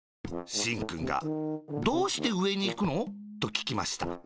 しんくんが「どうしてうえにいくの？」とききました。